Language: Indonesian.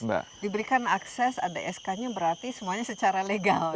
diberikan akses ada sk nya berarti semuanya secara legal